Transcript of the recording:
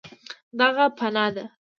دعا پناه ده.